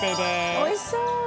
おいしそう！